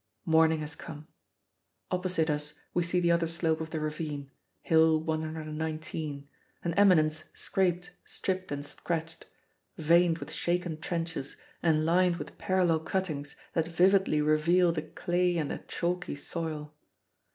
Morning has come. Opposite us we see the other slope of the ravine, Hill 119, an eminence scraped, stripped, and scratched, veined with shaken trenches and lined with parallel cuttings that vividly reveal the clay and the chalky soil.